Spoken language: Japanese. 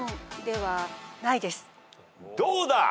どうだ！？